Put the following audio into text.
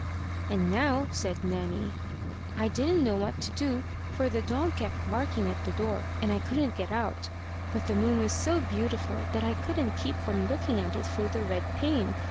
"And now," said Nanny, "I didn't know what to do, for the dog kept barking at the door, and I couldn't get out. But the moon was so beautiful that I couldn't keep from looking at it through the red pane.